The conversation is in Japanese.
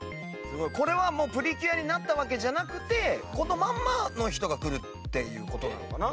これはプリキュアになったわけじゃなくてこのままの人が来るっていう事なのかな？